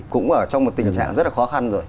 cũng ở trong một tình trạng rất là khó khăn rồi